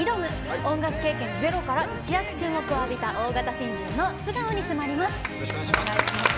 音楽経験ゼロから一躍注目を浴びた大型新人の素顔に迫ります。